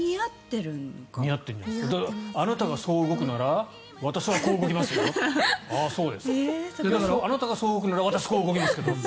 あなたがそう動くなら私はこう動きますよああ、そうですかあなたがそう動くなら私はこう動きますけど。